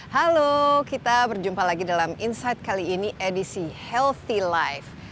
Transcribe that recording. halo kita berjumpa lagi dalam insight kali ini edisi healthy life